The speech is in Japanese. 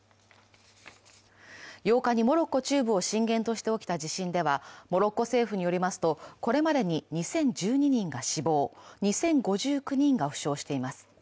８日にモロッコ中部を震源として起きた地震ではモロッコ政府によりますと、これまでに２０１２人が死亡、２０５９人が負傷しています。